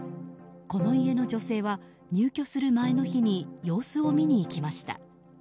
この家の女性は入居する前の日に様子を見に行きました。